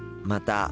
また。